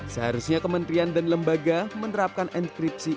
seharusnya kementerian dan lembaga menerapkan enkripsi